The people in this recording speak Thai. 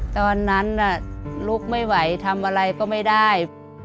ตอนนั้นน่ะลุกไม่ไหวทำอะไรก็ไม่ได้